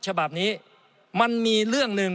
ฉบับนี้มันมีเรื่องหนึ่ง